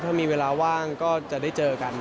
ถ้ามีเวลาว่างก็จะได้เจอกัน